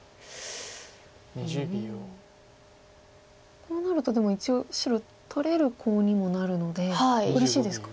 こうなるとでも一応白取れるコウにもなるのでうれしいですか。